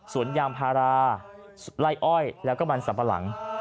สวนยามพาราไล่อ้อยแล้วก็บรรสัตว์ประหลัง